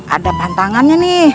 ada pantangannya nih